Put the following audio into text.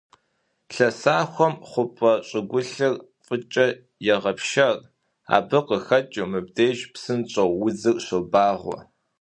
Лъэсахуэм хъупӀэ щӀыгулъыр фыгъэкӀэ егъэпшэр, абы къыхэкӀыу мыбдеж псынщӀэу удзыр щобагъуэ.